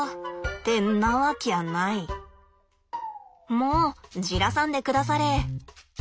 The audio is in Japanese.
もうじらさんでくだされ。